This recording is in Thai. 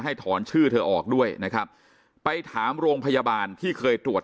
ถอนชื่อเธอออกด้วยนะครับไปถามโรงพยาบาลที่เคยตรวจ